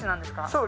そう。